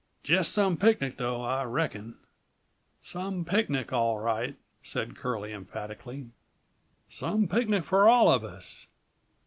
Jest some picnic, though, I reckon." "Some picnic all right!" said Curlie emphatically. "Some picnic for all of us!"